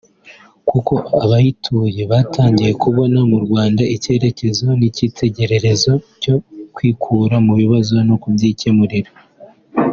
kuko abayituye batangiye kubona mu Rwanda icyerekezo n’icyitegererezo yo kwikura mu bibazo no kubyikemurira